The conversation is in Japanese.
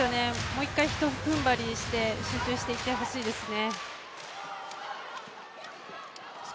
もう一回、ひとふんばりして集中していってほしいですね。